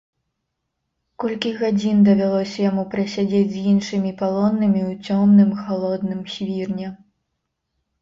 Колькі гадзін давялося яму прасядзець з іншымі палоннымі ў цёмным халодным свірне.